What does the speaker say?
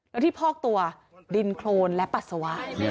แล้วที่พอกตัวดินโครนและปัสสาวะ